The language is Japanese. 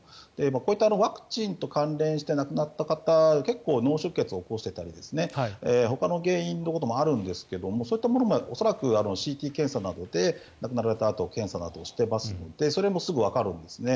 こういったワクチンと関連して亡くなった方は結構、脳出血を起こしていたりほかの原因のこともあるんですがそういったものも恐らくＣＴ検査などで亡くなられたあと検査などもしていますのでそれもすぐわかるんですね。